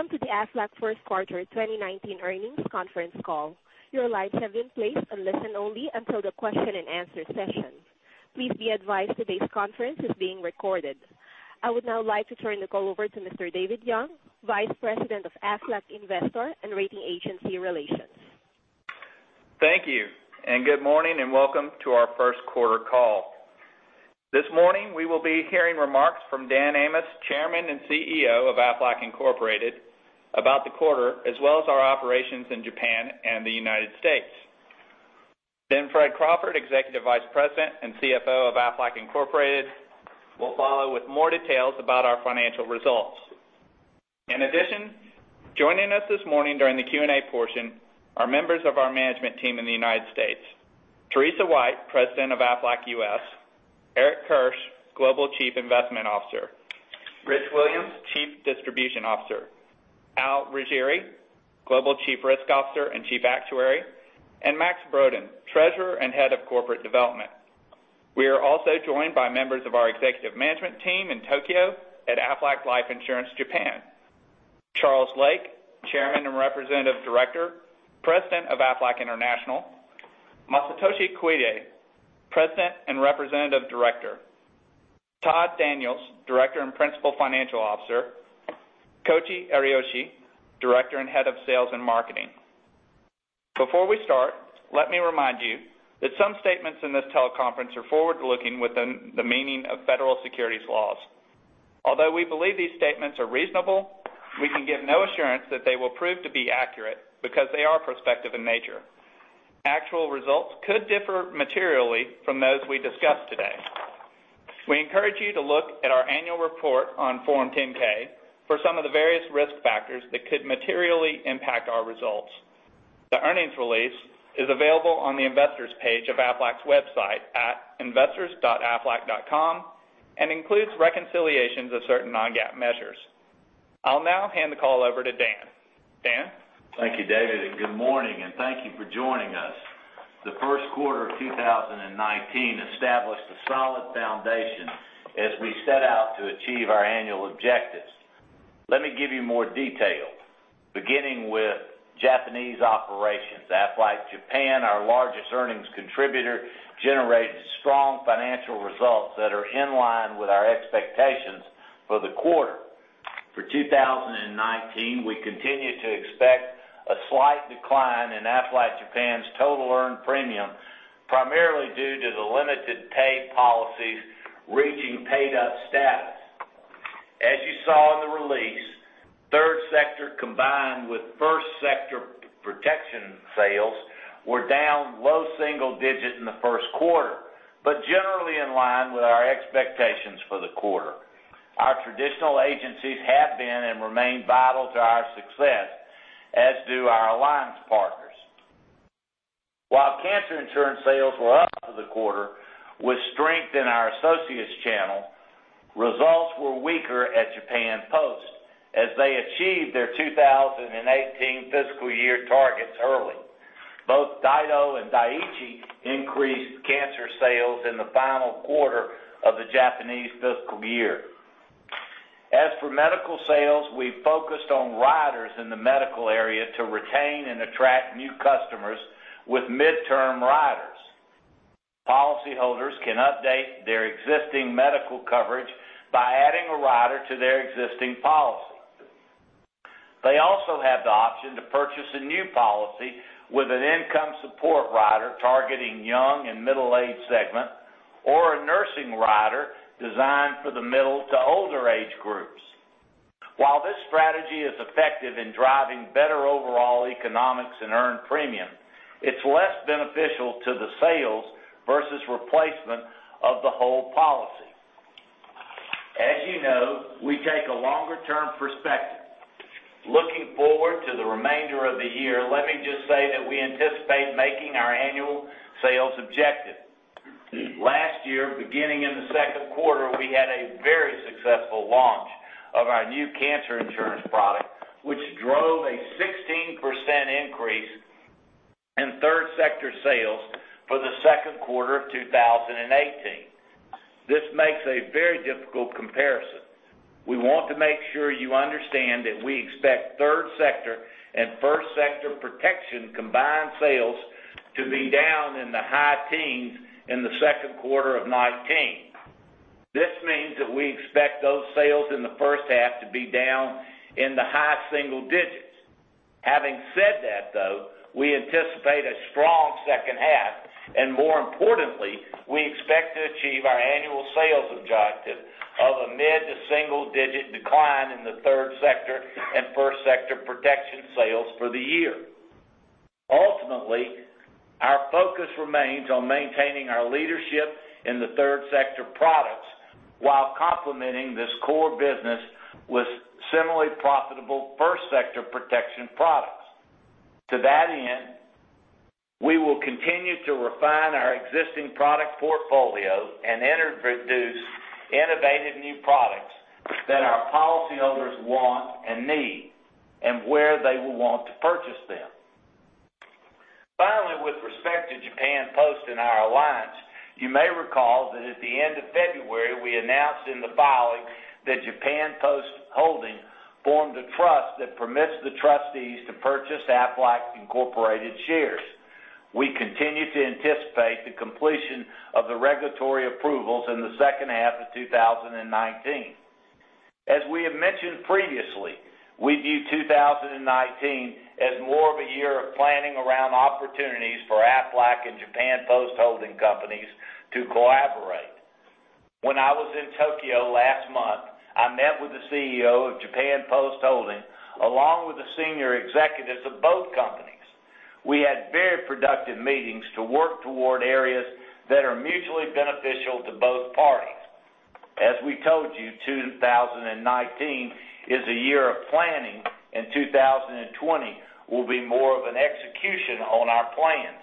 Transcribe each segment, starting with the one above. Welcome to the Aflac first quarter 2019 earnings conference call. Your lines have been placed on listen only until the question and answer session. Please be advised that this conference is being recorded. I would now like to turn the call over to Mr. David Young, Vice President of Aflac Investor and Rating Agency Relations. Thank you. Good morning, and welcome to our first quarter call. This morning, we will be hearing remarks from Dan Amos, Chairman and CEO of Aflac Incorporated, about the quarter as well as our operations in Japan and the U.S. Then Fred Crawford, Executive Vice President and CFO of Aflac Incorporated, will follow with more details about our financial results. In addition, joining us this morning during the Q&A portion are members of our management team in the U.S. Teresa White, President of Aflac U.S., Eric Kirsch, Global Chief Investment Officer, Rich Williams, Chief Distribution Officer, Al Riggieri, Global Chief Risk Officer and Chief Actuary, and Max Brodén, Treasurer and Head of Corporate Development. We are also joined by members of our executive management team in Tokyo at Aflac Life Insurance Japan. Charles Lake, Chairman and Representative Director, President of Aflac International, Masatoshi Koide, President and Representative Director, Todd Daniels, Director and Principal Financial Officer, Koji Ariyoshi, Director and Head of Sales and Marketing. Before we start, let me remind you that some statements in this teleconference are forward-looking within the meaning of federal securities laws. Although we believe these statements are reasonable, we can give no assurance that they will prove to be accurate because they are prospective in nature. Actual results could differ materially from those we discuss today. We encourage you to look at our annual report on Form 10-K for some of the various risk factors that could materially impact our results. The earnings release is available on the investors page of Aflac's website at investors.aflac.com and includes reconciliations of certain non-GAAP measures. I'll now hand the call over to Dan. Dan? Thank you, David. Good morning, and thank you for joining us. The first quarter of 2019 established a solid foundation as we set out to achieve our annual objectives. Let me give you more detail, beginning with Japanese operations. Aflac Japan, our largest earnings contributor, generated strong financial results that are in line with our expectations for the quarter. For 2019, we continue to expect a slight decline in Aflac Japan's total earned premium, primarily due to the limited pay policies reaching paid-up status. As you saw in the release, third sector combined with first sector protection sales were down low single digits in the first quarter, but generally in line with our expectations for the quarter. Our traditional agencies have been and remain vital to our success, as do our alliance partners. While cancer insurance sales were up for the quarter with strength in our associates channel, results were weaker at Japan Post as they achieved their 2018 fiscal year targets early. Both Daido and Dai-ichi Life increased cancer sales in the final quarter of the Japanese fiscal year. As for medical sales, we focused on riders in the medical area to retain and attract new customers with midterm riders. Policyholders can update their existing medical coverage by adding a rider to their existing policy. They also have the option to purchase a new policy with an income support rider targeting young and middle-aged segments or a nursing rider designed for the middle to older age groups. While this strategy is effective in driving better overall economics and earned premium, it's less beneficial to the sales versus replacement of the whole policy. As you know, we take a longer-term perspective. Looking forward to the remainder of the year, let me just say that we anticipate making our annual sales objective. Last year, beginning in the second quarter, we had a very successful launch of our new cancer insurance product, which drove a 16% increase in third sector sales for the second quarter of 2018. This makes a very difficult comparison. We want to make sure you understand that we expect third sector and first sector protection combined sales to be down in the high teens in the second quarter of 2019. This means that we expect those sales in the first half to be down in the high single digits. Having said that, though, we anticipate a strong second half, and more importantly, we expect to achieve our annual sales objective of a mid to single-digit decline in the third sector and first sector protection sales for the year. Ultimately, our focus remains on maintaining our leadership in the third sector products while complementing this core business with similarly profitable first sector protection products. To that end, we will continue to refine our existing product portfolio and introduce innovative new products that our policyholders want and need and where they will want to purchase them. With respect to Japan Post in our alliance, you may recall that at the end of February, we announced in the filing that Japan Post Holdings formed a trust that permits the trustees to purchase Aflac Incorporated shares. We continue to anticipate the completion of the regulatory approvals in the second half of 2019. As we have mentioned previously, we view 2019 as more of a year of planning around opportunities for Aflac and Japan Post Holdings companies to collaborate. When I was in Tokyo last month, I met with the CEO of Japan Post Holdings, along with the senior executives of both companies. We had very productive meetings to work toward areas that are mutually beneficial to both parties. As we told you, 2019 is a year of planning, and 2020 will be more of an execution on our plans.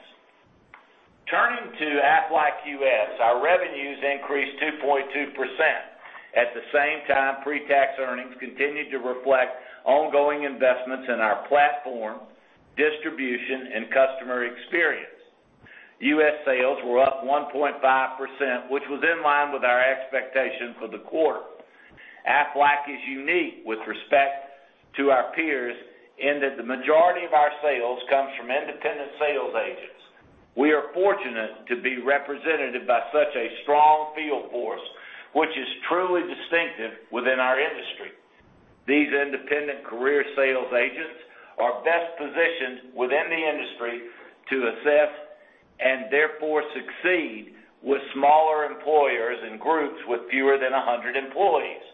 Turning to Aflac U.S., our revenues increased 2.2%. At the same time, pre-tax earnings continued to reflect ongoing investments in our platform, distribution, and customer experience. U.S. sales were up 1.5%, which was in line with our expectations for the quarter. Aflac is unique with respect to our peers in that the majority of our sales comes from independent sales agents. We are fortunate to be represented by such a strong field force, which is truly distinctive within our industry. These independent career sales agents are best positioned within the industry to assess and therefore succeed with smaller employers and groups with fewer than 100 employees.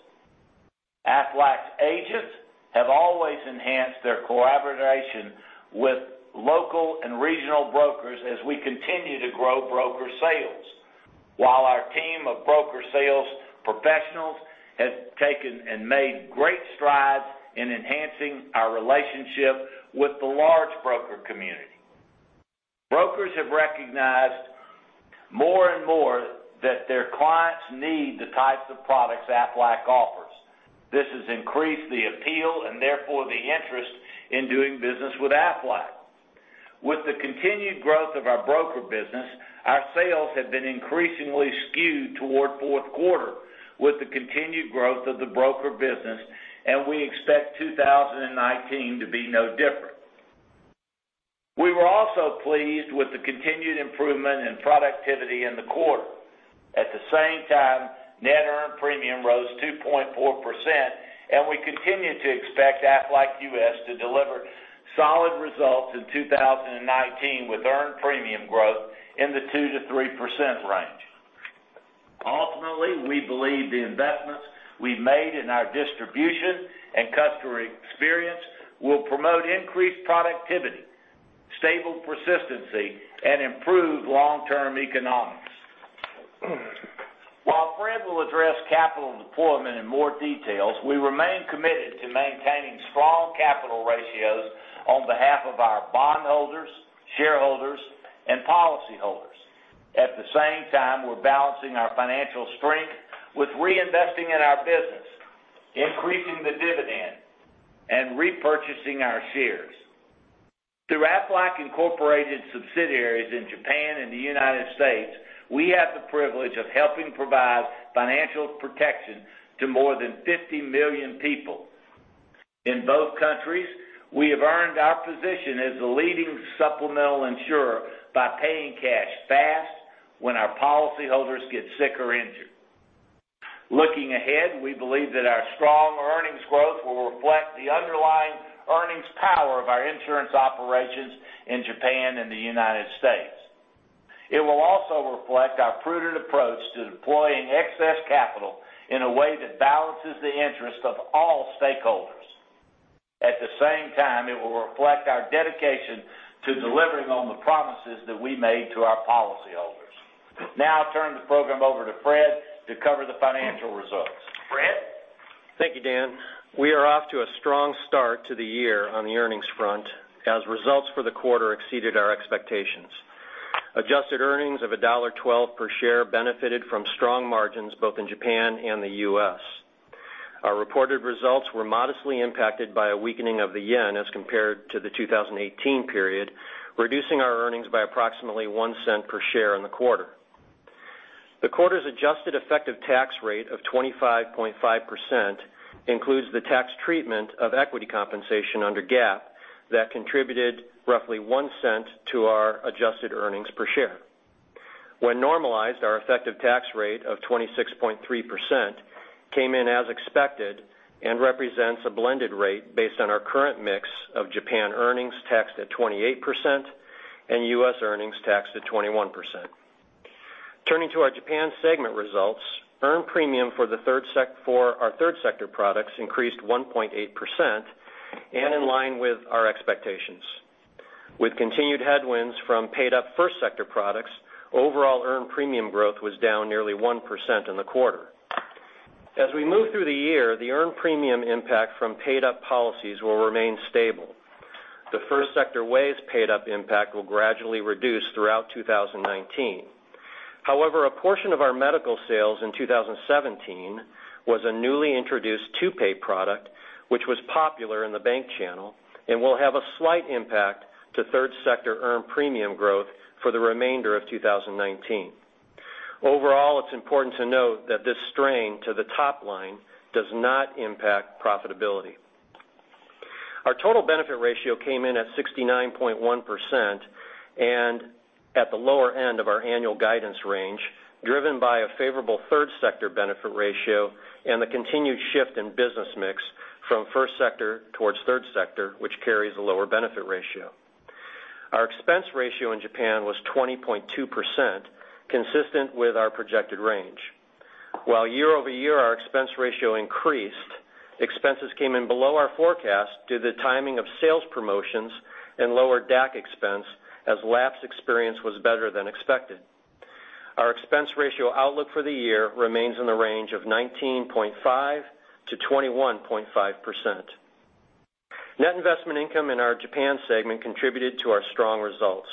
Aflac's agents have always enhanced their collaboration with local and regional brokers as we continue to grow broker sales. While our team of broker sales professionals has taken and made great strides in enhancing our relationship with the large broker community. Brokers have recognized more and more that their clients need the types of products Aflac offers. This has increased the appeal and therefore the interest in doing business with Aflac. With the continued growth of our broker business, our sales have been increasingly skewed toward fourth quarter with the continued growth of the broker business, and we expect 2019 to be no different. We were also pleased with the continued improvement in productivity in the quarter. At the same time, net earned premium rose 2.4%, we continue to expect Aflac U.S. to deliver solid results in 2019 with earned premium growth in the 2%-3% range. Ultimately, we believe the investments we've made in our distribution and customer experience will promote increased productivity, stable persistency, and improved long-term economics. While Fred will address capital deployment in more details, we remain committed to maintaining strong capital ratios on behalf of our bondholders, shareholders, and policyholders. At the same time, we're balancing our financial strength with reinvesting in our business, increasing the dividend, and repurchasing our shares. Through Aflac Incorporated subsidiaries in Japan and the United States, we have the privilege of helping provide financial protection to more than 50 million people. In both countries, we have earned our position as the leading supplemental insurer by paying cash fast when our policyholders get sick or injured. Looking ahead, we believe that our strong earnings growth will reflect the underlying earnings power of our insurance operations in Japan and the United States. It will also reflect our prudent approach to deploying excess capital in a way that balances the interest of all stakeholders. At the same time, it will reflect our dedication to delivering on the promises that we made to our policyholders. Now I turn the program over to Fred to cover the financial results. Fred? Thank you, Dan. We are off to a strong start to the year on the earnings front as results for the quarter exceeded our expectations. Adjusted earnings of $1.12 per share benefited from strong margins both in Japan and the U.S. Our reported results were modestly impacted by a weakening of the yen as compared to the 2018 period, reducing our earnings by approximately $0.01 per share in the quarter. The quarter's adjusted effective tax rate of 25.5% includes the tax treatment of equity compensation under GAAP that contributed roughly $0.01 to our adjusted earnings per share. When normalized, our effective tax rate of 26.3% came in as expected and represents a blended rate based on our current mix of Japan earnings taxed at 28% and U.S. earnings taxed at 21%. Turning to our Japan segment results, earned premium for our third sector products increased 1.8% and in line with our expectations. With continued headwinds from paid-up first sector products, overall earned premium growth was down nearly 1% in the quarter. As we move through the year, the earned premium impact from paid-up policies will remain stable. The first sector waves paid up impact will gradually reduce throughout 2019. However, a portion of our medical sales in 2017 was a newly introduced two-pay product, which was popular in the bank channel and will have a slight impact to third sector earned premium growth for the remainder of 2019. Overall, it's important to note that this strain to the top line does not impact profitability. Our total benefit ratio came in at 69.1% and at the lower end of our annual guidance range, driven by a favorable third sector benefit ratio and the continued shift in business mix from first sector towards third sector, which carries a lower benefit ratio. Our expense ratio in Japan was 20.2%, consistent with our projected range. While year-over-year our expense ratio increased, expenses came in below our forecast due to the timing of sales promotions and lower DAC expense as lapse experience was better than expected. Our expense ratio outlook for the year remains in the range of 19.5%-21.5%. Net investment income in our Japan segment contributed to our strong results.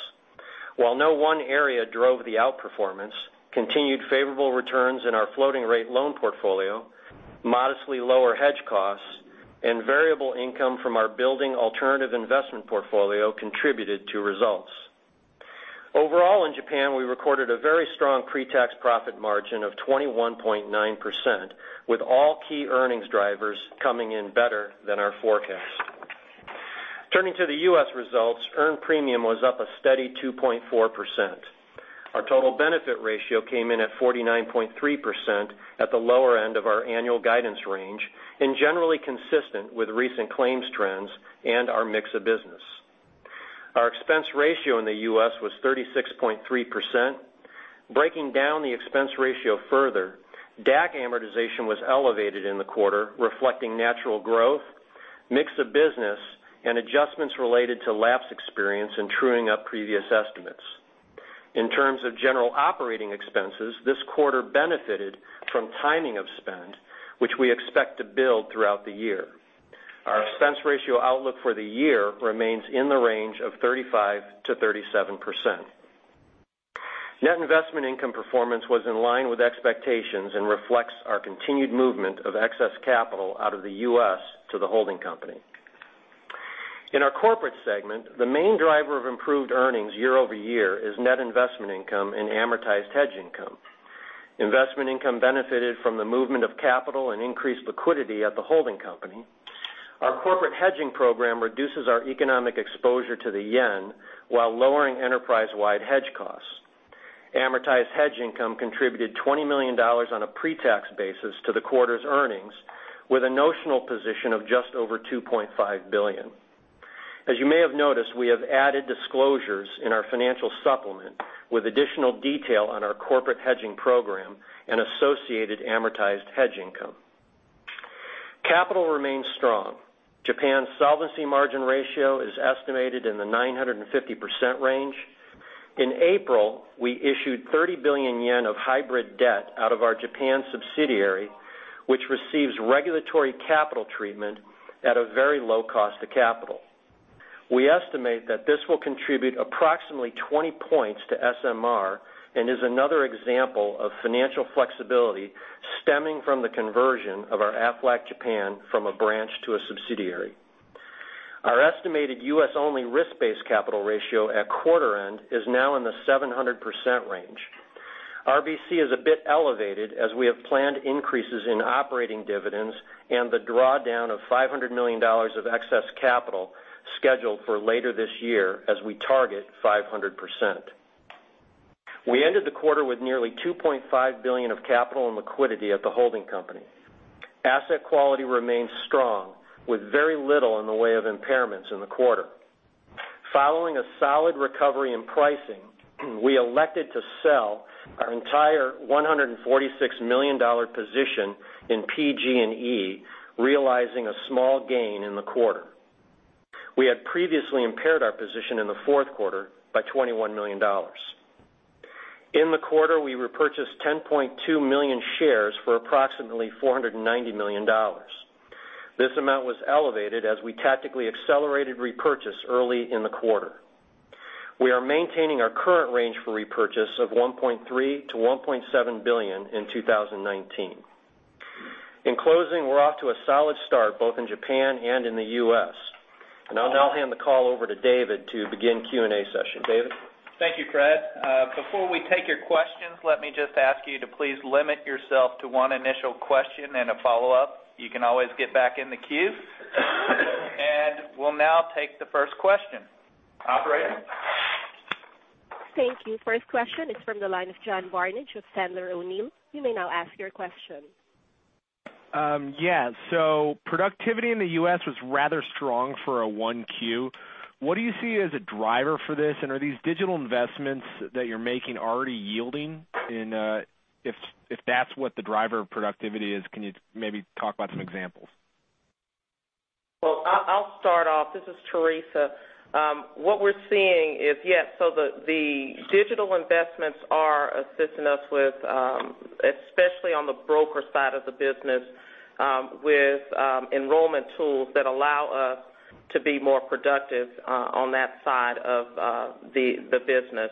While no one area drove the outperformance, continued favorable returns in our floating rate loan portfolio, modestly lower hedge costs, and variable income from our building alternative investment portfolio contributed to results. Overall, in Japan, we recorded a very strong pre-tax profit margin of 21.9%, with all key earnings drivers coming in better than our forecast. Turning to the U.S. results, earned premium was up a steady 2.4%. Our total benefit ratio came in at 49.3% at the lower end of our annual guidance range and generally consistent with recent claims trends and our mix of business. Our expense ratio in the U.S. was 36.3%. Breaking down the expense ratio further, DAC amortization was elevated in the quarter, reflecting natural growth, mix of business, and adjustments related to lapse experience and truing up previous estimates. In terms of general operating expenses, this quarter benefited from timing of spend, which we expect to build throughout the year. Our expense ratio outlook for the year remains in the range of 35%-37%. Net investment income performance was in line with expectations and reflects our continued movement of excess capital out of the U.S. to the holding company. In our corporate segment, the main driver of improved earnings year-over-year is net investment income and amortized hedge income. Investment income benefited from the movement of capital and increased liquidity at the holding company. Our corporate hedging program reduces our economic exposure to the yen while lowering enterprise-wide hedge costs. Amortized hedge income contributed $20 million on a pre-tax basis to the quarter's earnings, with a notional position of just over 2.5 billion. As you may have noticed, we have added disclosures in our financial supplement with additional detail on our corporate hedging program and associated amortized hedge income. Capital remains strong. Japan's solvency margin ratio is estimated in the 950% range. In April, we issued 30 billion yen of hybrid debt out of our Japan subsidiary, which receives regulatory capital treatment at a very low cost of capital. We estimate that this will contribute approximately 20 points to SMR and is another example of financial flexibility stemming from the conversion of our Aflac Japan from a branch to a subsidiary. Our estimated U.S.-only risk-based capital ratio at quarter end is now in the 700% range. RBC is a bit elevated as we have planned increases in operating dividends and the drawdown of $500 million of excess capital scheduled for later this year as we target 500%. We ended the quarter with nearly $2.5 billion of capital and liquidity at the holding company. Asset quality remains strong with very little in the way of impairments in the quarter. Following a solid recovery in pricing, we elected to sell our entire $146 million position in PG&E, realizing a small gain in the quarter. We had previously impaired our position in the fourth quarter by $21 million. In the quarter, we repurchased 10.2 million shares for approximately $490 million. This amount was elevated as we tactically accelerated repurchase early in the quarter. We are maintaining our current range for repurchase of $1.3 billion to $1.7 billion in 2019. I'll now hand the call over to David to begin Q&A session. David? Thank you, Fred. Before we take your questions, let me just ask you to please limit yourself to one initial question and a follow-up. You can always get back in the queue. We'll now take the first question. Operator? Thank you. First question is from the line of John Barnidge with Sandler O'Neill. You may now ask your question. Yeah. Productivity in the U.S. was rather strong for a one Q. What do you see as a driver for this? Are these digital investments that you're making already yielding in, if that's what the driver of productivity is, can you maybe talk about some examples? Well, I'll start off. This is Teresa. What we're seeing is, yes, the digital investments are assisting us with, especially on the broker side of the business, with enrollment tools that allow us to be more productive on that side of the business.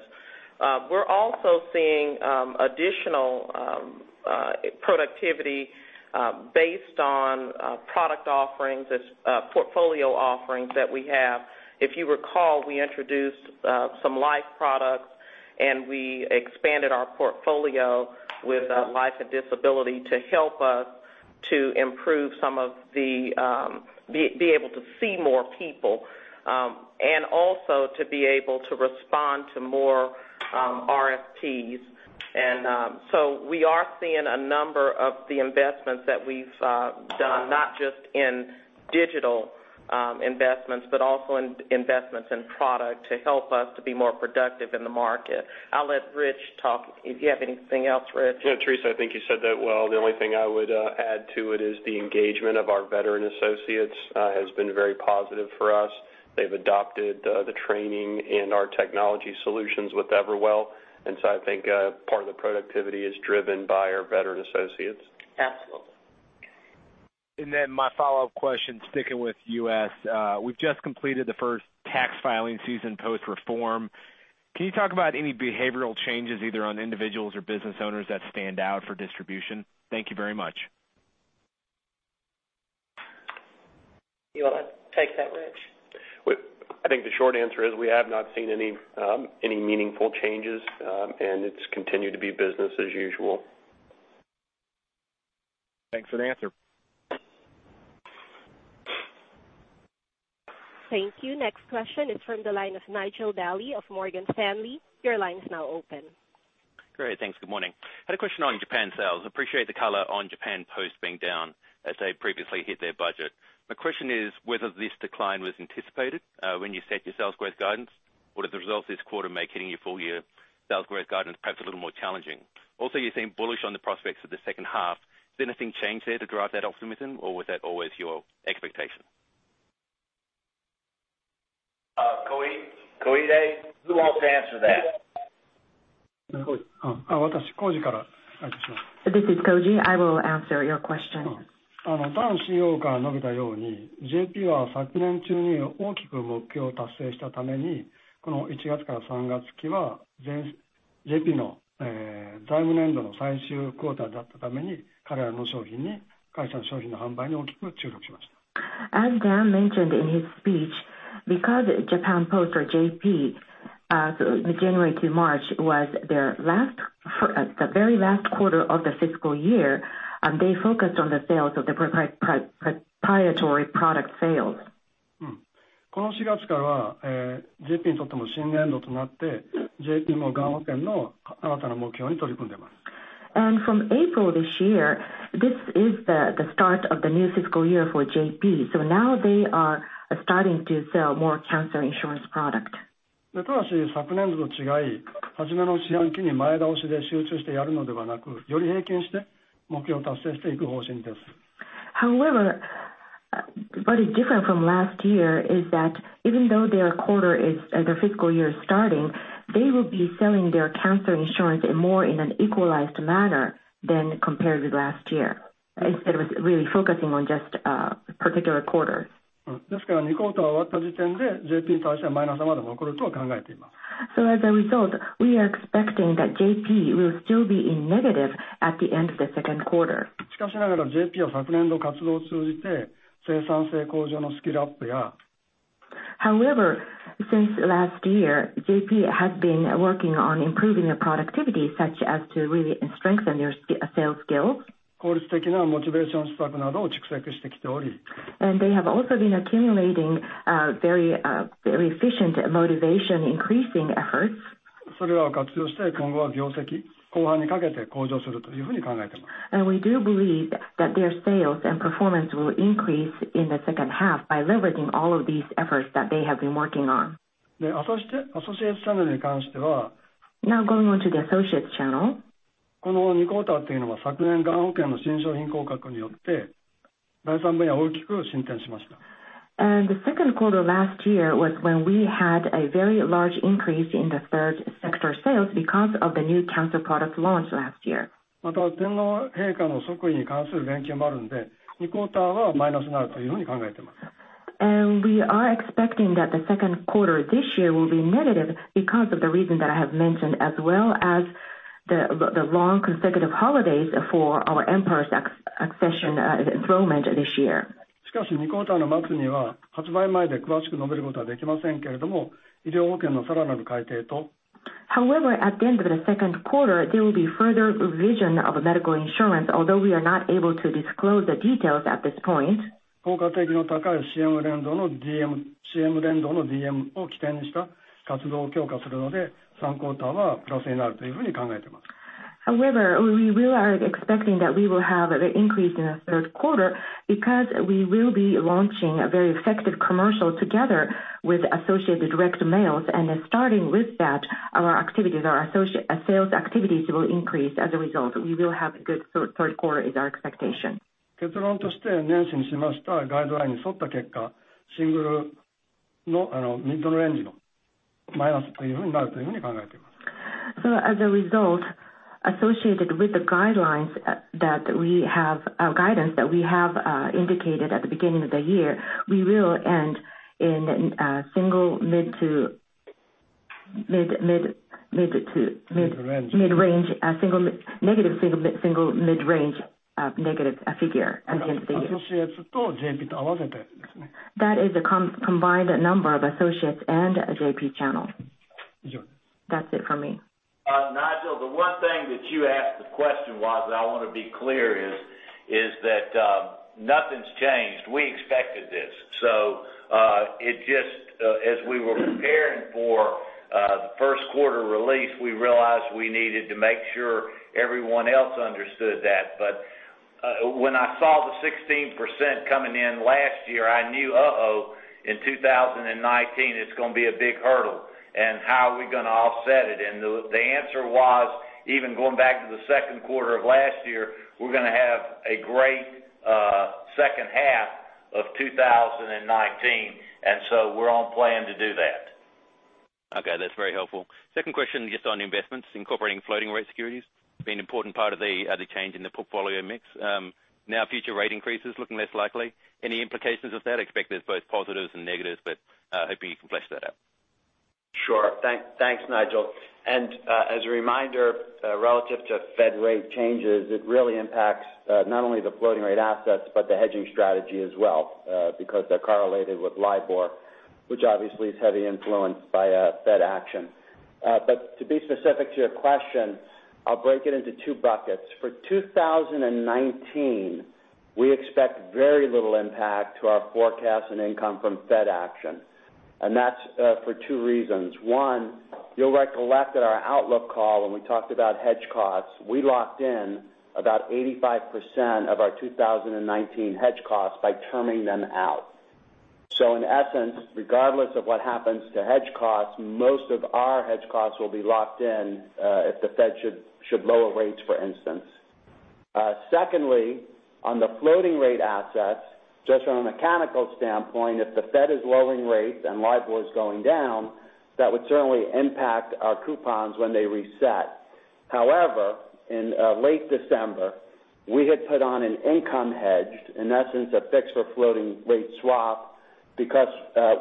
We're also seeing additional productivity based on product offerings, portfolio offerings that we have. If you recall, we introduced some life products, we expanded our portfolio with life and disability to help us to be able to see more people. Also to be able to respond to more RFPs. We are seeing a number of the investments that we've done, not just in digital investments, but also in investments in product to help us to be more productive in the market. I'll let Rich talk, if you have anything else, Rich. Yeah, Teresa, I think you said that well. The only thing I would add to it is the engagement of our veteran associates has been very positive for us. They've adopted the training and our technology solutions with Everwell. I think part of the productivity is driven by our veteran associates. Absolutely. My follow-up question, sticking with U.S. We've just completed the first tax filing season post-reform. Can you talk about any behavioral changes either on individuals or business owners that stand out for distribution? Thank you very much. You want to take that, Rich? I think the short answer is we have not seen any meaningful changes, and it's continued to be business as usual. Thanks, and answer. Thank you. Next question is from the line of Nigel Dally of Morgan Stanley. Your line is now open. Great, thanks. Good morning. I had a question on Japan sales. Appreciate the color on Japan Post being down, as they previously hit their budget. My question is whether this decline was anticipated when you set your sales growth guidance, or did the results this quarter make hitting your full-year sales growth guidance perhaps a little more challenging? Also, you seem bullish on the prospects for the second half. Has anything changed there to drive that optimism, or was that always your expectation? Koji. Koji, who wants to answer that? This is Koji. I will answer your question. As Dan mentioned in his speech, because Japan Post, or JP, January to March was the very last quarter of the fiscal year, they focused on the sales of the proprietary product sales. From April this year, this is the start of the new fiscal year for JP. Now they are starting to sell more cancer insurance product. What is different from last year is that even though their fiscal year is starting, they will be selling their cancer insurance more in an equalized manner than compared with last year, instead of really focusing on just a particular quarter. As a result, we are expecting that JP will still be in negative at the end of the second quarter. Since last year, JP has been working on improving their productivity such as to really strengthen their sales skills. They have also been accumulating very efficient motivation increasing efforts. We do believe that their sales and performance will increase in the second half by leveraging all of these efforts that they have been working on. Now going on to the associates channel. The second quarter last year was when we had a very large increase in the third sector sales because of the new cancer product launch last year. We are expecting that the second quarter this year will be negative because of the reason that I have mentioned, as well as the long consecutive holidays for our Emperor's enthronement this year. At the end of the second quarter, there will be further revision of medical insurance, although we are not able to disclose the details at this point. We are expecting that we will have an increase in the third quarter because we will be launching a very effective commercial together with associated direct mails. Starting with that, our sales activities will increase. As a result, we will have a good third quarter is our expectation. As a result, associated with the guidelines that we have our guidance that we have indicated at the beginning of the year, we will end in a single mid to. Mid-range mid-range, negative single mid-range figure at the end of the year. That is a combined number of associates and JP channels. Yeah. That's it from me. Nigel, the one thing that you asked the question was, and I want to be clear, is that nothing's changed. We expected this. It just, as we were preparing for the first quarter release, we realized we needed to make sure everyone else understood that. When I saw the 16% coming in last year, I knew, "Uh-oh, in 2019 it's going to be a big hurdle, and how are we going to offset it?" The answer was, even going back to the second quarter of last year, we're going to have a great second half of 2019. We're on plan to do that. Okay. That's very helpful. Second question just on investments, incorporating floating rate securities, being an important part of the change in the portfolio mix. Now future rate increases looking less likely. Any implications of that? Expect there's both positives and negatives, but hoping you can flesh that out. Sure. Thanks, Nigel. As a reminder, relative to Fed rate changes, it really impacts, not only the floating rate assets, but the hedging strategy as well because they're correlated with LIBOR, which obviously is heavily influenced by Fed action. To be specific to your question, I'll break it into two buckets. For 2019, we expect very little impact to our forecast and income from Fed action. That's for two reasons. One, you'll recollect at our outlook call when we talked about hedge costs, we locked in about 85% of our 2019 hedge costs by terming them out. In essence, regardless of what happens to hedge costs, most of our hedge costs will be locked in, if the Fed should lower rates, for instance. Secondly, on the floating rate assets, just from a mechanical standpoint, if the Fed is lowering rates and LIBOR is going down, that would certainly impact our coupons when they reset. However, in late December, we had put on an income hedge, in essence, a fixed for floating rate swap because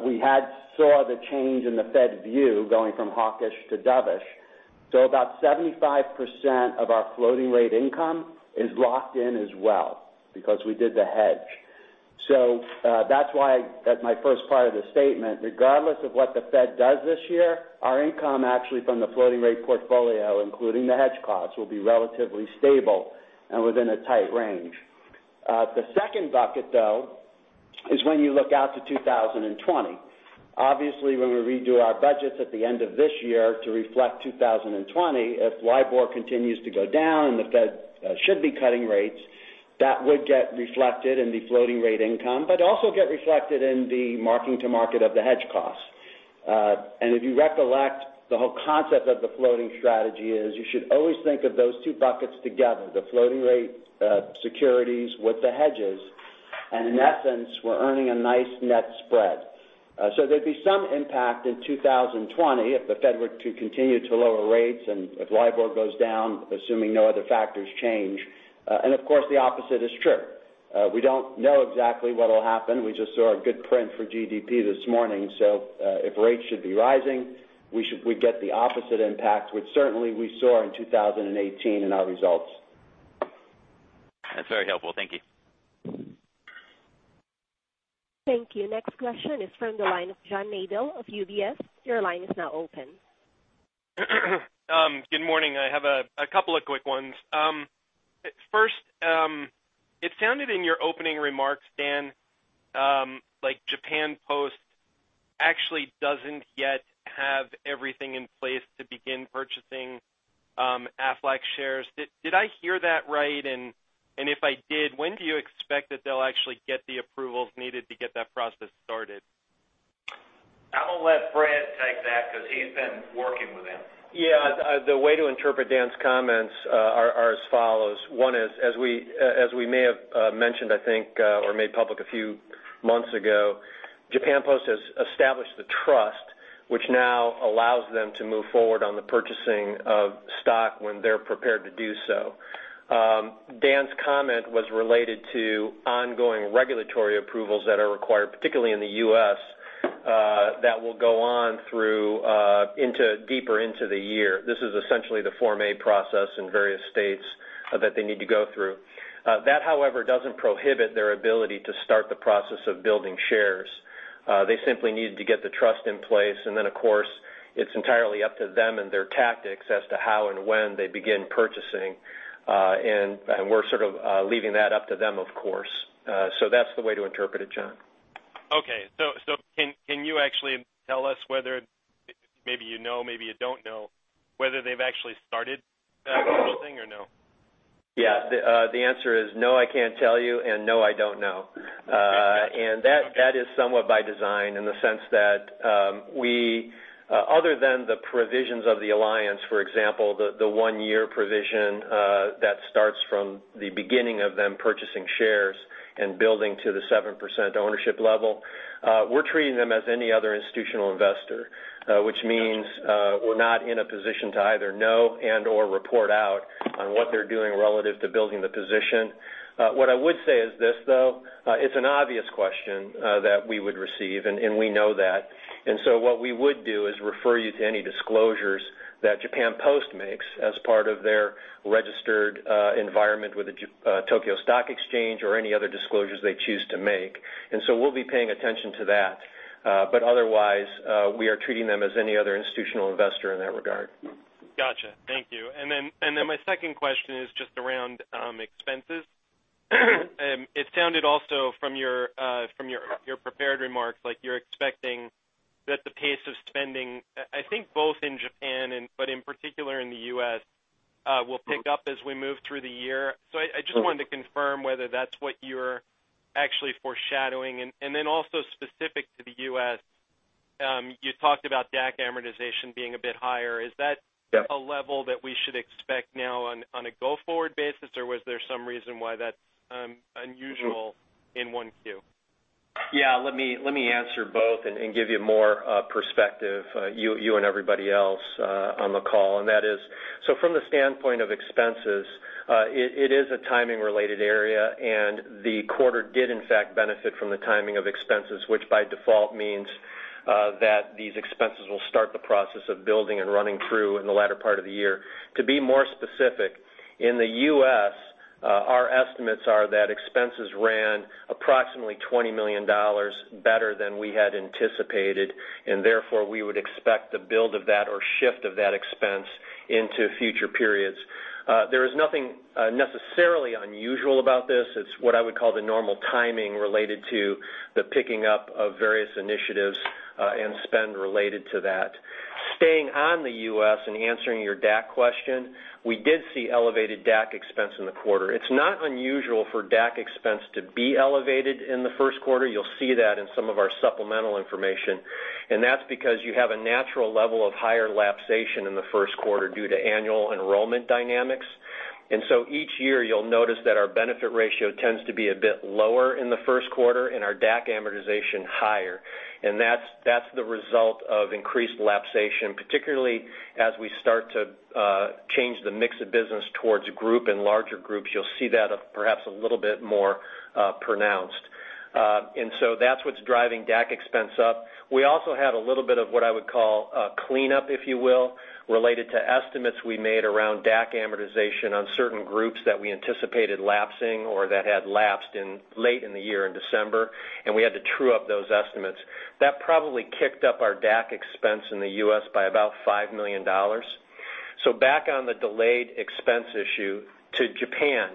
we had saw the change in the Fed view going from hawkish to dovish. About 75% of our floating rate income is locked in as well because we did the hedge. That's why at my first part of the statement, regardless of what the Fed does this year, our income actually from the floating rate portfolio, including the hedge costs, will be relatively stable and within a tight range. The second bucket though, is when you look out to 2020. Obviously, when we redo our budgets at the end of this year to reflect 2020, if LIBOR continues to go down and the Fed should be cutting rates, that would get reflected in the floating rate income, but also get reflected in the marking to market of the hedge costs. If you recollect, the whole concept of the floating strategy is you should always think of those two buckets together, the floating rate securities with the hedges. In essence, we're earning a nice net spread. There'd be some impact in 2020 if the Fed were to continue to lower rates and if LIBOR goes down, assuming no other factors change. Of course, the opposite is true. We don't know exactly what'll happen. We just saw a good print for GDP this morning. If rates should be rising, we get the opposite impact, which certainly we saw in 2018 in our results. That's very helpful. Thank you. Thank you. Next question is from the line of John Neidal of UBS. Your line is now open. Good morning. I have a couple of quick ones. First, it sounded in your opening remarks, Dan, like Japan Post actually doesn't yet have everything in place to begin purchasing Aflac shares. Did I hear that right? If I did, when do you expect that they'll actually get the approvals needed to get that process started? I'm going to let Fred take that because he's been working with them. The way to interpret Dan's comments are as follows. One is, as we may have mentioned, I think, or made public a few months ago, Japan Post has established the trust, which now allows them to move forward on the purchasing of stock when they're prepared to do so. Dan's comment was related to ongoing regulatory approvals that are required, particularly in the U.S., that will go on through deeper into the year. This is essentially the Form A process in various states that they need to go through. That, however, doesn't prohibit their ability to start the process of building shares. They simply needed to get the trust in place, then, of course, it's entirely up to them and their tactics as to how and when they begin purchasing. We're sort of leaving that up to them, of course. That's the way to interpret it, John. Okay. Can you actually tell us whether maybe you know, maybe you don't know, whether they've actually started that whole thing or no? Yeah. The answer is no, I can't tell you and no, I don't know. That is somewhat by design in the sense that other than the provisions of the alliance, for example, the 1-year provision that starts from the beginning of them purchasing shares and building to the 7% ownership level, we're treating them as any other institutional investor, which means we're not in a position to either know and/or report out on what they're doing relative to building the position. What I would say is this, though, it's an obvious question that we would receive, and we know that. What we would do is refer you to any disclosures that Japan Post makes as part of their registered environment with the Tokyo Stock Exchange or any other disclosures they choose to make. We'll be paying attention to that. Otherwise, we are treating them as any other institutional investor in that regard. Got you. Thank you. My second question is just around expenses. It sounded also from your prepared remarks like you're expecting that the pace of spending, I think, both in Japan but in particular in the U.S., will pick up as we move through the year. I just wanted to confirm whether that's what you're actually foreshadowing. Also specific to the U.S., you talked about DAC amortization being a bit higher. Is that a level that we should expect now on a go-forward basis, or was there some reason why that's unusual in 1Q? Let me answer both and give you more perspective, you and everybody else on the call. From the standpoint of expenses, it is a timing-related area, and the quarter did in fact benefit from the timing of expenses, which by default means that these expenses will start the process of building and running through in the latter part of the year. To be more specific, in the U.S., our estimates are that expenses ran approximately $20 million better than we had anticipated, and therefore, we would expect the build of that or shift of that expense into future periods. There is nothing necessarily unusual about this. It's what I would call the normal timing related to the picking up of various initiatives and spend related to that. Staying on the U.S. and answering your DAC question, we did see elevated DAC expense in the quarter. It's not unusual for DAC expense to be elevated in the first quarter. You'll see that in some of our supplemental information. That's because you have a natural level of higher lapsation in the first quarter due to annual enrollment dynamics. Each year, you'll notice that our benefit ratio tends to be a bit lower in the first quarter and our DAC amortization higher. That's the result of increased lapsation, particularly as we start to change the mix of business towards group and larger groups, you'll see that perhaps a little bit more pronounced. That's what's driving DAC expense up. We also had a little bit of what I would call a cleanup, if you will, related to estimates we made around DAC amortization on certain groups that we anticipated lapsing or that had lapsed late in the year in December, and we had to true up those estimates. That probably kicked up our DAC expense in the U.S. by about $5 million. Back on the delayed expense issue to Japan.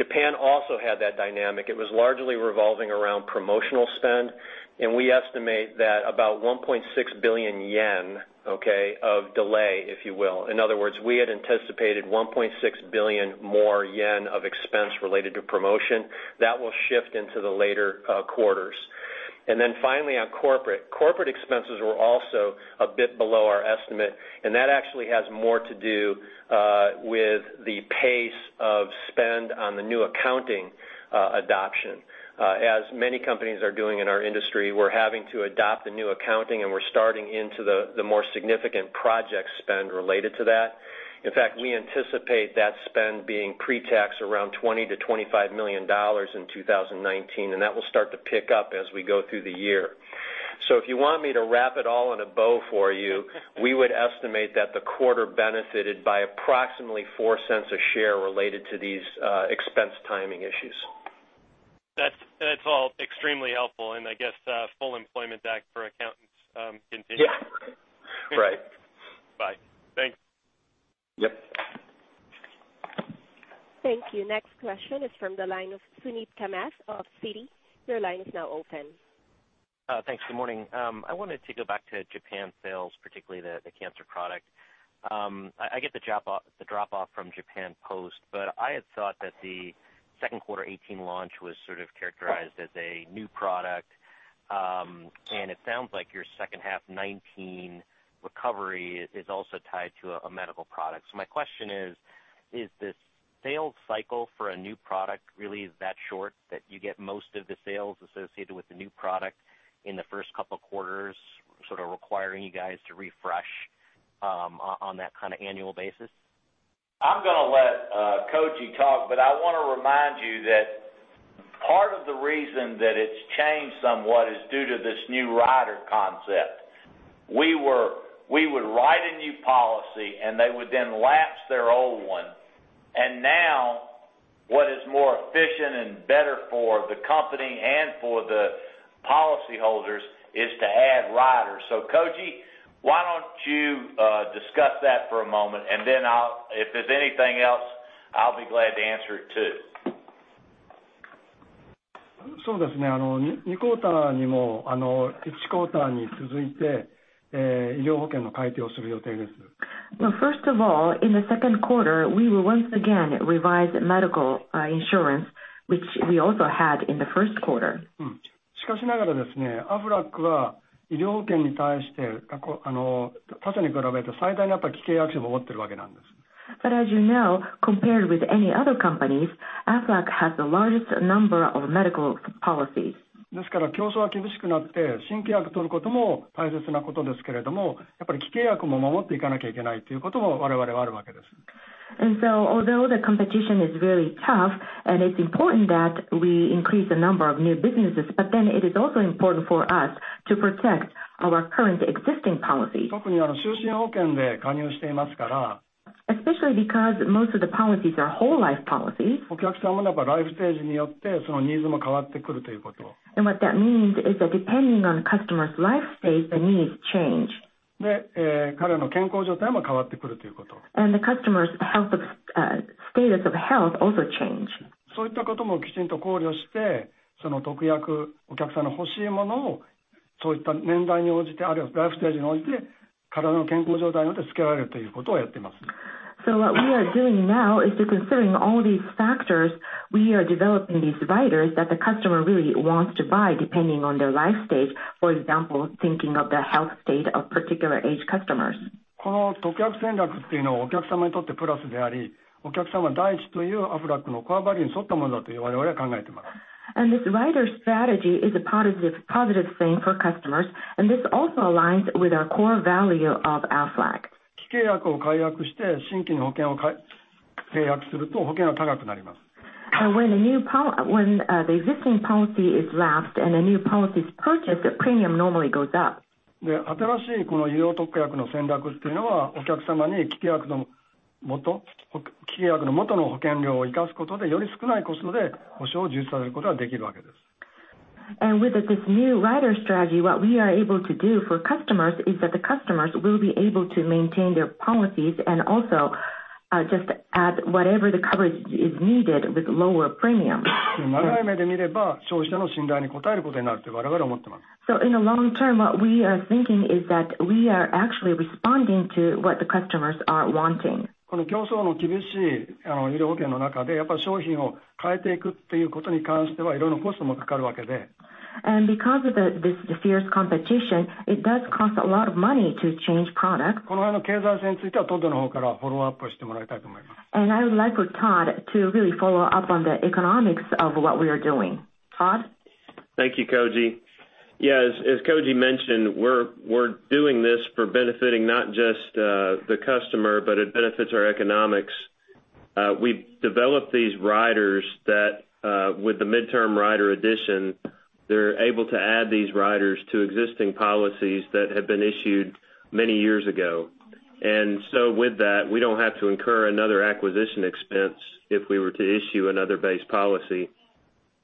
Japan also had that dynamic. It was largely revolving around promotional spend, and we estimate that about 1.6 billion yen, okay, of delay, if you will. In other words, we had anticipated 1.6 billion yen more of expense related to promotion. That will shift into the later quarters. Finally on corporate. Corporate expenses were also a bit below our estimate, that actually has more to do with the pace of spend on the new accounting adoption. As many companies are doing in our industry, we're having to adopt the new accounting, we're starting into the more significant project spend related to that. In fact, we anticipate that spend being pre-tax around $20 million-$25 million in 2019, that will start to pick up as we go through the year. If you want me to wrap it all in a bow for you, we would estimate that the quarter benefited by approximately $0.04 a share related to these expense timing issues. That's all extremely helpful, I guess the Full Employment Act for accountants continues. Yeah. Right. Bye. Thank you. Yep. Thank you. Next question is from the line of Suneet Kamath of Citi. Your line is now open. Thanks. Good morning. I wanted to go back to Japan sales, particularly the cancer product. I get the drop-off from Japan Post, I had thought that the second quarter 2018 launch was sort of characterized as a new product. It sounds like your second half 2019 recovery is also tied to a medical product. My question is the sales cycle for a new product really that short that you get most of the sales associated with the new product in the first couple of quarters, sort of requiring you guys to refresh on that kind of annual basis? I'm going to let Koji talk, I want to remind you that part of the reason that it's changed somewhat is due to this new rider concept. We would write a new policy, As Koji mentioned, we're doing this for benefiting not just the customer, but it benefits our economics. We've developed these riders that, with the midterm rider addition, they're able to add these riders to existing policies that have been issued many years ago. With that, we don't have to incur another acquisition expense if we were to issue another base policy.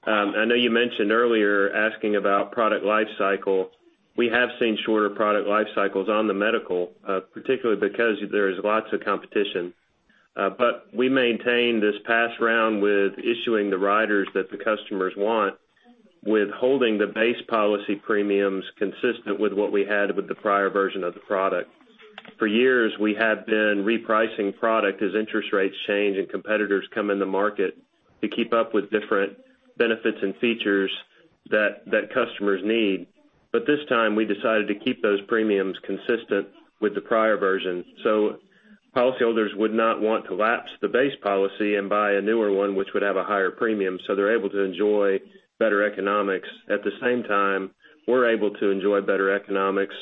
I know you mentioned earlier asking about product life cycle. We have seen shorter product life cycles on the medical, particularly because there is lots of competition. We maintained this past round with issuing the riders that the customers want, with holding the base policy premiums consistent with what we had with the prior version of the product. For years, we have been repricing product as interest rates change and competitors come in the market to keep up with different benefits and features that customers need. This time we decided to keep those premiums consistent with the prior version. Policyholders would not want to lapse the base policy and buy a newer one which would have a higher premium, so they're able to enjoy better economics. At the same time, we're able to enjoy better economics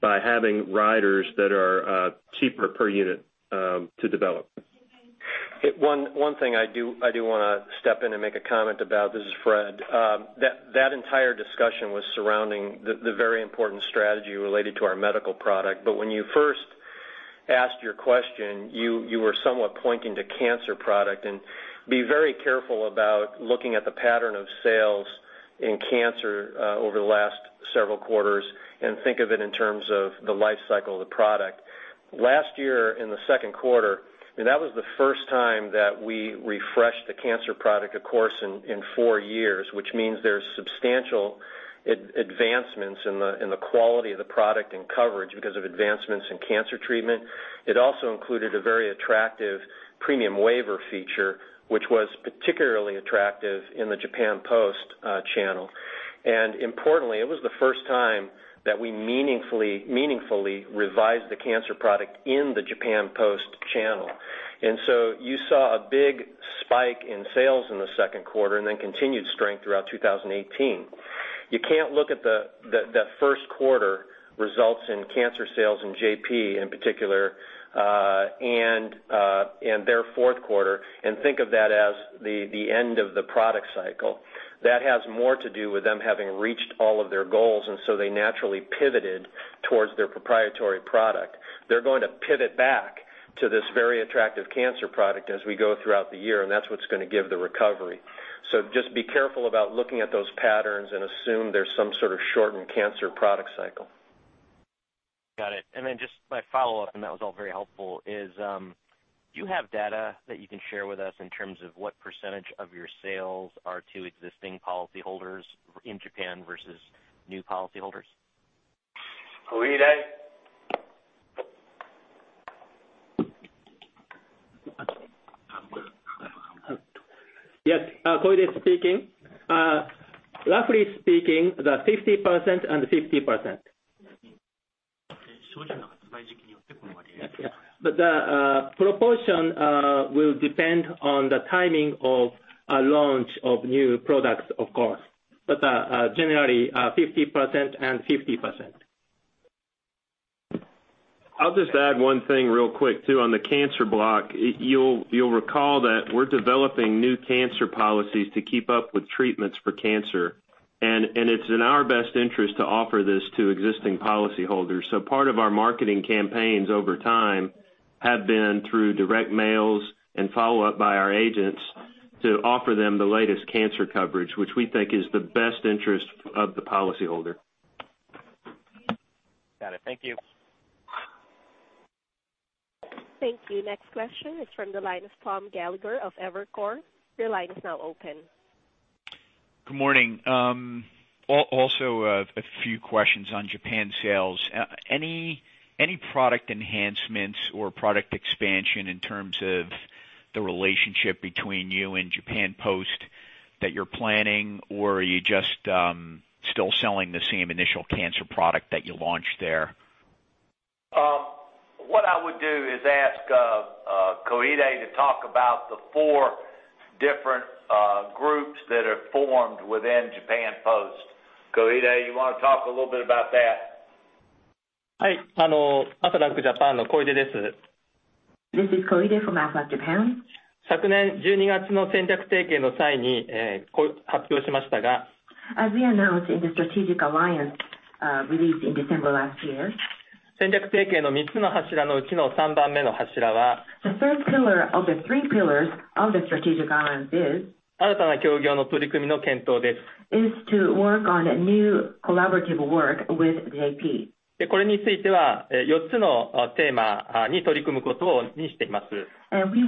by having riders that are cheaper per unit to develop. One thing I do want to step in and make a comment about, this is Fred. That entire discussion was surrounding the very important strategy related to our medical product. When you first asked your question, you were somewhat pointing to cancer product and be very careful about looking at the pattern of sales in cancer over the last several quarters and think of it in terms of the life cycle of the product. Last year in the second quarter, that was the first time that we refreshed the cancer product, of course, in 4 years, which means there's substantial advancements in the quality of the product and coverage because of advancements in cancer treatment. It also included a very attractive premium waiver feature, which was particularly attractive in the Japan Post channel. Importantly, it was the first time that we meaningfully revised the cancer product in the Japan Post channel. You saw a big spike in sales in the second quarter and then continued strength throughout 2018. You can't look at the first quarter results in cancer sales in JP in particular, and their fourth quarter and think of that as the end of the product cycle. That has more to do with them having reached all of their goals, they naturally pivoted towards their proprietary product. They're going to pivot back to this very attractive cancer product as we go throughout the year, and that's what's going to give the recovery. Just be careful about looking at those patterns and assume there's some sort of shortened cancer product cycle. Got it. Just my follow-up, and that was all very helpful, is Do you have data that you can share with us in terms of what % of your sales are to existing policyholders in Japan versus new policyholders? Koide. Yes. Koide speaking. Roughly speaking, the 50% and 50%. The proportion will depend on the timing of launch of new products, of course. Generally, 50% and 50%. I'll just add one thing real quick too on the cancer block. You'll recall that we're developing new cancer policies to keep up with treatments for cancer. It's in our best interest to offer this to existing policyholders. Part of our marketing campaigns over time have been through direct mails and follow-up by our agents to offer them the latest cancer coverage, which we think is the best interest of the policyholder. Got it. Thank you. Thank you. Next question is from the line of Tom Gallagher of Evercore. Your line is now open. Good morning. Also, a few questions on Japan sales. Any product enhancements or product expansion in terms of the relationship between you and Japan Post that you're planning, or are you just still selling the same initial cancer product that you launched there? What I would do is ask Koide to talk about the four different groups that are formed within Japan Post. Koide, you want to talk a little bit about that? This is Koide from Aflac Japan. As we announced in the strategic alliance release in December last year, the first pillar of the three pillars of the strategic alliance is to work on a new collaborative work with JP. We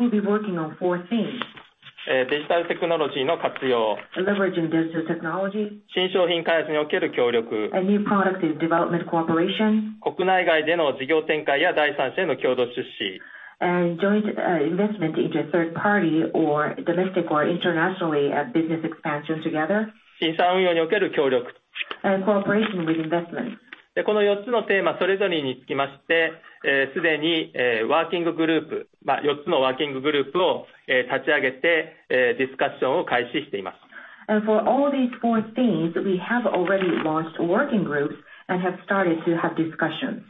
will be working on four things. Leveraging digital technology, a new product in development cooperation, and joint investment into a third party or domestic or internationally business expansion together, and cooperation with investments. For all these four things, we have already launched working groups and have started to have discussions.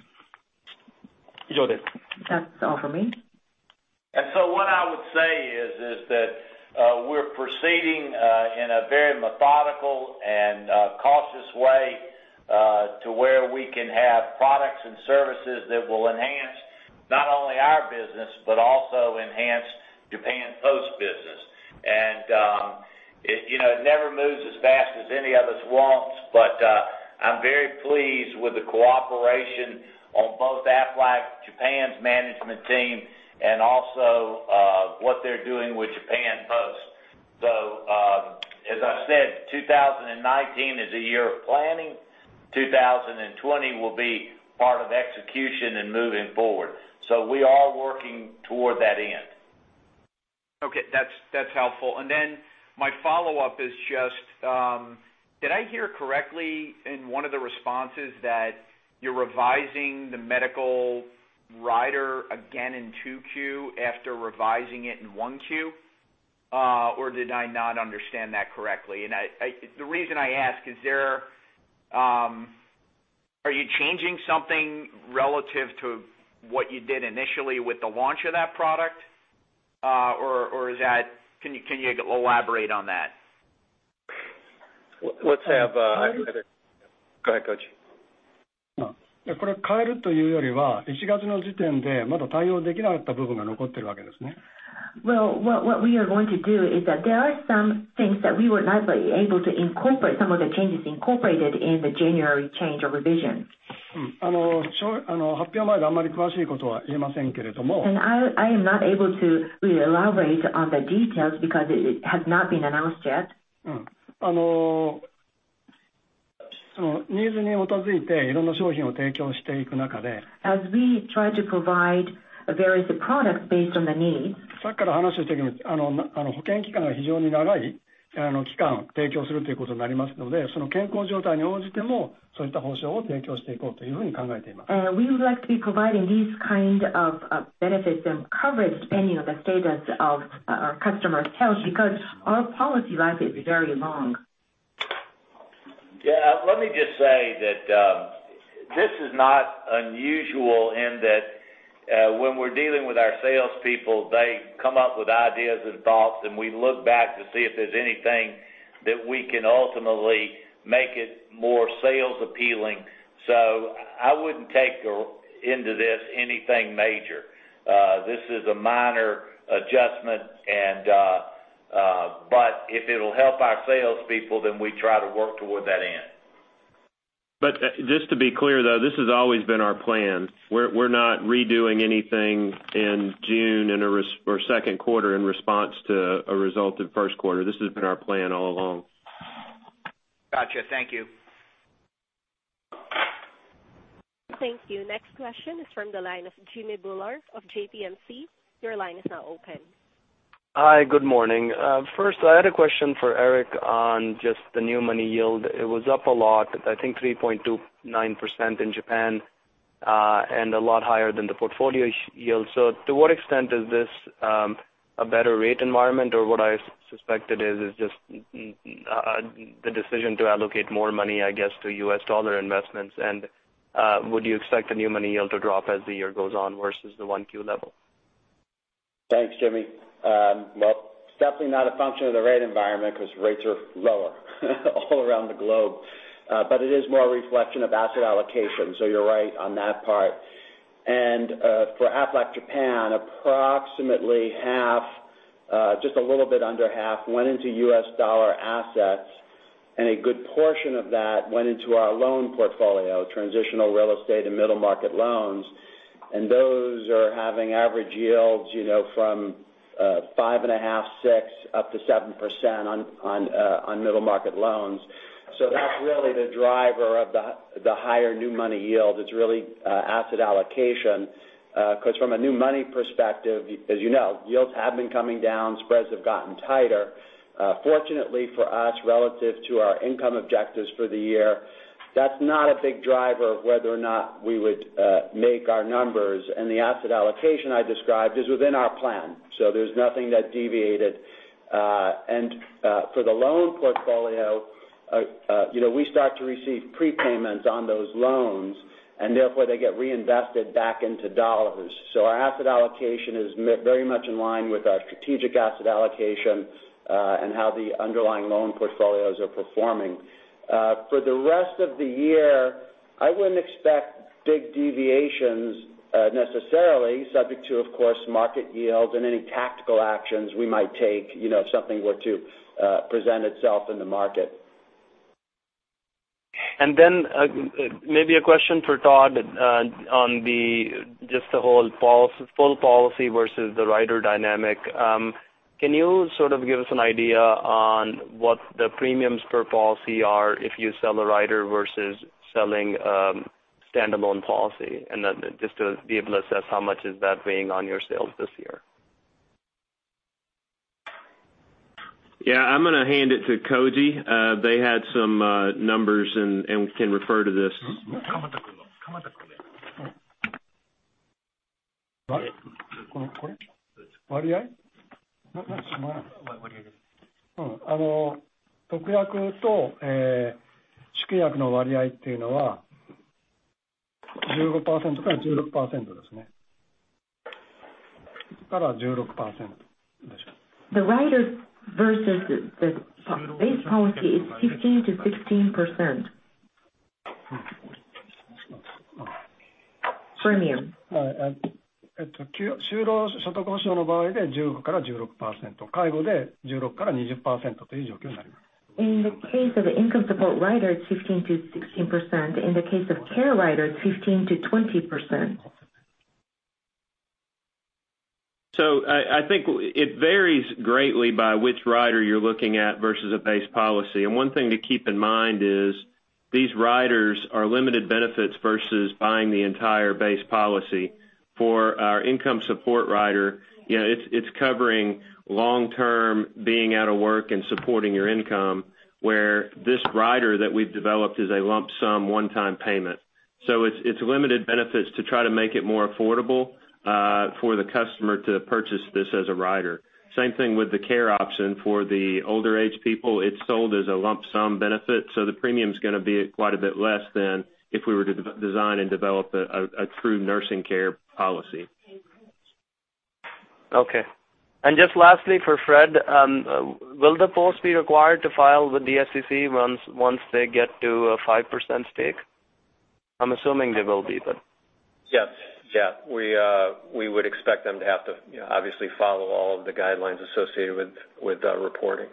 That's all for me. What I would say is that we're proceeding in a very methodical and cautious way to where we can have products and services that will enhance not only our business but also enhance Japan Post business. It never moves as fast as any of us want, but I'm very pleased with the cooperation on both Aflac Japan's management team and also what they're doing with Japan Post. As I said, 2019 is a year of planning. 2020 will be part of execution and moving forward. We are working toward that end. Okay. That's helpful. My follow-up is just, did I hear correctly in one of the responses that you're revising the medical rider again in 2Q after revising it in 1Q, or did I not understand that correctly? The reason I ask, are you changing something relative to what you did initially with the launch of that product? Can you elaborate on that? Let's have- Koide. Go ahead, Koji. Well, what we are going to do is that there are some things that we were not able to incorporate some of the changes incorporated in the January change or revision. I am not able to elaborate on the details because it has not been announced yet. As we try to provide various products based on the needs, we would like to be providing these kind of benefits and coverage depending on the status of our customers health, because our policy life is very long. Yeah. Let me just say that this is not unusual in that when we're dealing with our salespeople, they come up with ideas and thoughts, and we look back to see if there's anything that we can ultimately make it more sales appealing. I wouldn't take into this anything major. This is a minor adjustment. If it'll help our salespeople, then we try to work toward that end. Just to be clear, though, this has always been our plan. We're not redoing anything in June or second quarter in response to a result of first quarter. This has been our plan all along. Got you. Thank you. Thank you. Next question is from the line of Jimmy Bhullar of JPMorgan. Your line is now open. Hi, good morning. First, I had a question for Eric on just the new money yield. It was up a lot, I think 3.29% in Japan, and a lot higher than the portfolio yield. To what extent is this a better rate environment or what I suspect it is just the decision to allocate more money, I guess, to U.S. dollar investments. Would you expect the new money yield to drop as the year goes on versus the Q1 level? Thanks, Jimmy. It's definitely not a function of the rate environment because rates are lower all around the globe. It is more a reflection of asset allocation. You're right on that part. For Aflac Japan, approximately half, just a little bit under half, went into U.S. dollar assets, and a good portion of that went into our loan portfolio, transitional real estate, and middle market loans. Those are having average yields from 5.5, 6 up to 7% on middle market loans. That's really the driver of the higher new money yield. It's really asset allocation. From a new money perspective, as you know, yields have been coming down, spreads have gotten tighter. Fortunately for us relative to our income objectives for the year, that's not a big driver of whether or not we would make our numbers. The asset allocation I described is within our plan. There's nothing that deviated. For the loan portfolio, we start to receive prepayments on those loans, and therefore they get reinvested back into dollars. Our asset allocation is very much in line with our strategic asset allocation, and how the underlying loan portfolios are performing. For the rest of the year, I wouldn't expect big deviations necessarily, subject to, of course, market yields and any tactical actions we might take, if something were to present itself in the market. Maybe a question for Todd on just the whole full policy versus the rider dynamic. Can you sort of give us an idea on what the premiums per policy are if you sell a rider versus selling a standalone policy? Just to be able to assess how much is that weighing on your sales this year. I'm going to hand it to Koji. They had some numbers and we can refer to this. The rider versus the base policy is 15%-16% premium. In the case of the income support rider, it's 15%-16%. In the case of care rider, it's 15%-20%. I think it varies greatly by which rider you're looking at versus a base policy. One thing to keep in mind is these riders are limited benefits versus buying the entire base policy. For our income support rider, it's covering long-term being out of work and supporting your income, where this rider that we've developed is a lump sum one-time payment. It's limited benefits to try to make it more affordable for the customer to purchase this as a rider. Same thing with the care option for the older age people. It's sold as a lump sum benefit, so the premium is going to be quite a bit less than if we were to design and develop a true nursing care policy. Okay. Just lastly for Fred, will the Japan Post be required to file with the SEC once they get to a 5% stake? I'm assuming they will be. Yes. We would expect them to have to obviously follow all of the guidelines associated with reporting.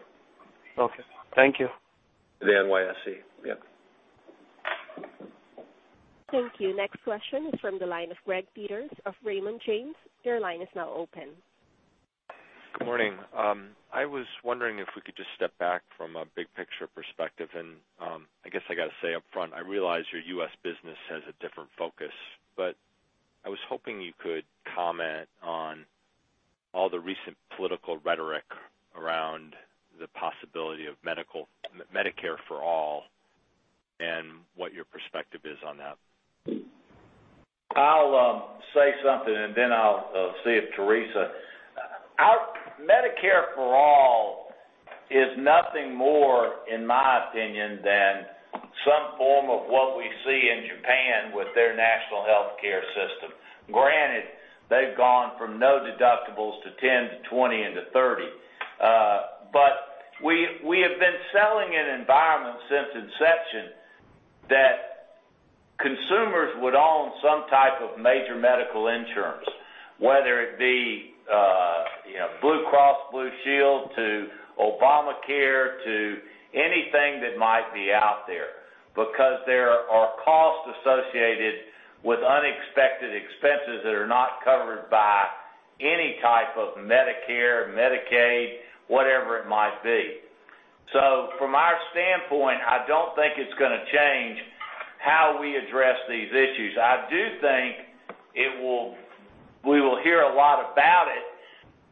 Okay. Thank you. The NYSE. Yes. Thank you. Next question is from the line of Greg Peters of Raymond James. Your line is now open. Good morning. I was wondering if we could just step back from a big picture perspective. I guess I got to say upfront, I realize your U.S. business has a different focus, but I was hoping you could comment on all the recent political rhetoric around the possibility of Medicare for All and what your perspective is on that. I'll say something. Then I'll see if Teresa. Medicare for All is nothing more, in my opinion, than some form of what we see in Japan with their national healthcare system. Granted, they've gone from no deductibles to 10 to 20 to 30. We have been selling an environment since inception that consumers would own some type of major medical insurance, whether it be Blue Cross Blue Shield to Obamacare, to anything that might be out there, because there are costs associated with unexpected expenses that are not covered by any type of Medicare, Medicaid, whatever it might be. From our standpoint, I don't think it's going to change how we address these issues. I do think we will hear a lot about it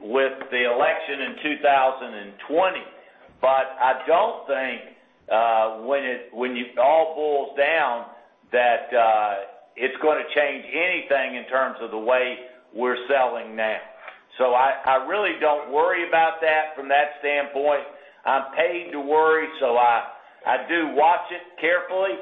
with the election in 2020. I don't think when it all boils down, that it's going to change anything in terms of the way we're selling now. I really don't worry about that from that standpoint. I'm paid to worry, so I do watch it carefully.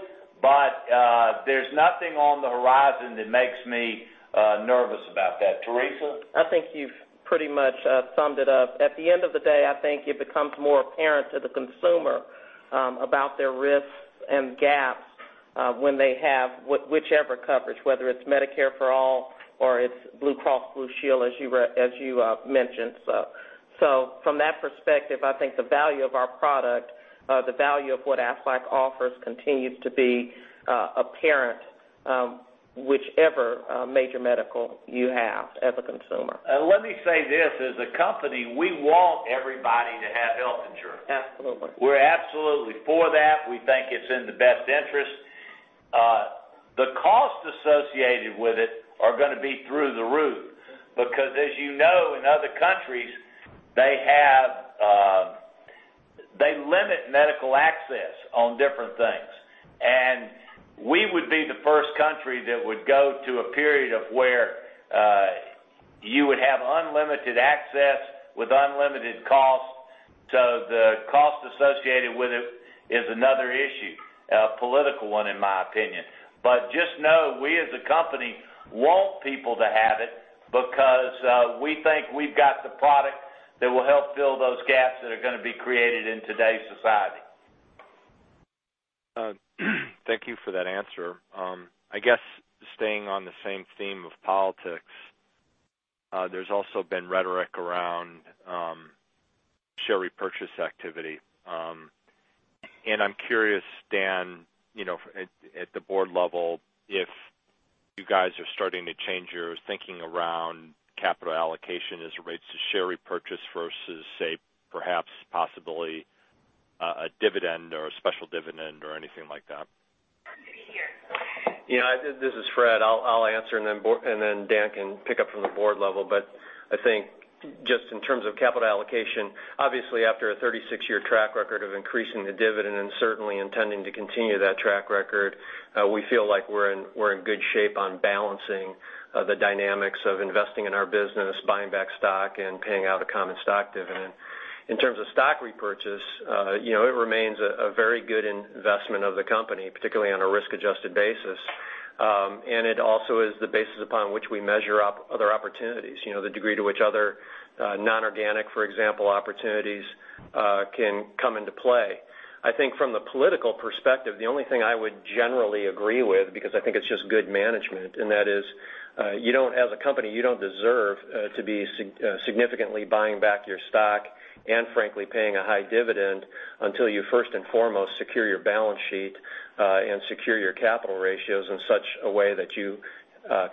There's nothing on the horizon that makes me nervous about that. Teresa? I think you've pretty much summed it up. At the end of the day, I think it becomes more apparent to the consumer about their risks and gaps when they have whichever coverage, whether it's Medicare for All or it's Blue Cross Blue Shield, as you mentioned. From that perspective, I think the value of our product, the value of what Aflac offers, continues to be apparent whichever major medical you have as a consumer. Let me say this, as a company, we want everybody to have health insurance. Absolutely. We're absolutely for that. We think it's in the best interest. The cost associated with it are going to be through the roof, because as you know, in other countries, they limit medical access on different things. We would be the first country that would go to a period of where you would have unlimited access with unlimited cost. The cost associated with it is another issue, a political one, in my opinion. Just know we as a company want people to have it because we think we've got the product that will help fill those gaps that are going to be created in today's society. Thank you for that answer. I guess staying on the same theme of politics, there's also been rhetoric around share repurchase activity. I'm curious, Dan, at the board level, if you guys are starting to change your thinking around capital allocation as it relates to share repurchase versus, say, perhaps possibly a dividend or a special dividend or anything like that. Yeah, this is Fred. I'll answer, then Dan can pick up from the board level. I think just in terms of capital allocation, obviously after a 36-year track record of increasing the dividend and certainly intending to continue that track record, we feel like we're in good shape on balancing the dynamics of investing in our business, buying back stock and paying out a common stock dividend. In terms of stock repurchase, it remains a very good investment of the company, particularly on a risk-adjusted basis. It also is the basis upon which we measure up other opportunities, the degree to which other non-organic, for example, opportunities can come into play. I think from the political perspective, the only thing I would generally agree with, because I think it's just good management, that is as a company you don't deserve to be significantly buying back your stock and frankly paying a high dividend until you first and foremost secure your balance sheet and secure your capital ratios in such a way that you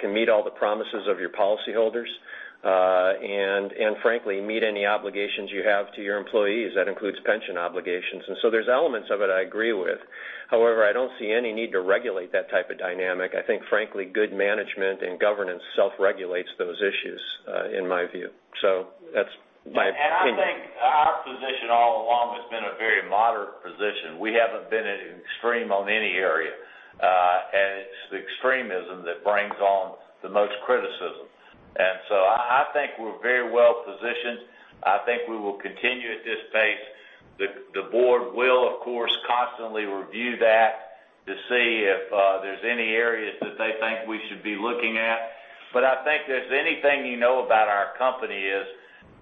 can meet all the promises of your policyholders. Frankly, meet any obligations you have to your employees. That includes pension obligations. There's elements of it I agree with. However, I don't see any need to regulate that type of dynamic. I think frankly, good management and governance self-regulates those issues, in my view. That's my opinion. I think our position all along has been a very moderate position. We haven't been an extreme on any area. It's the extremism that brings on the most criticism. I think we're very well positioned. I think we will continue at this pace. The board will, of course, constantly review that to see if there's any areas that they think we should be looking at. I think if there's anything you know about our company is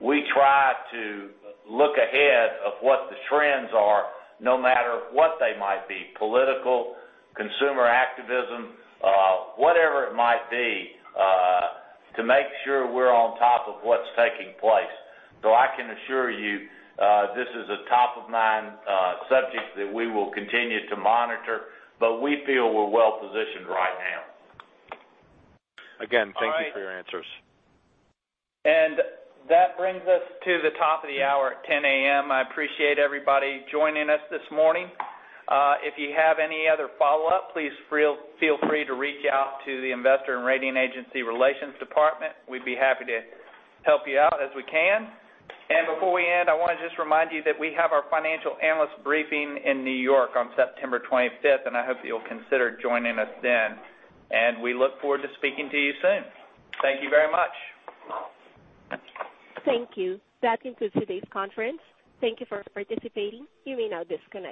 we try to look ahead of what the trends are no matter what they might be, political, consumer activism, whatever it might be, to make sure we're on top of what's taking place. I can assure you this is a top-of-mind subject that we will continue to monitor, but we feel we're well positioned right now. Again, thank you for your answers. That brings us to the top of the hour at 10:00 A.M. I appreciate everybody joining us this morning. If you have any other follow-up, please feel free to reach out to the investor and rating agency relations department. We'd be happy to help you out as we can. Before we end, I want to just remind you that we have our financial analyst briefing in New York on September 25th, I hope you'll consider joining us then. We look forward to speaking to you soon. Thank you very much. Thank you. That concludes today's conference. Thank you for participating. You may now disconnect.